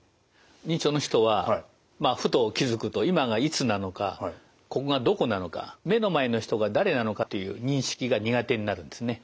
認知症の人はふと気付くと今がいつなのかここがどこなのか目の前の人が誰なのかという認識が苦手になるんですね。